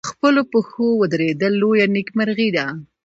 په خپلو پښو ودرېدل لویه نېکمرغي ده.